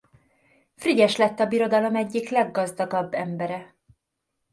Frigyes lett a Birodalom egyik leggazdagabb embere.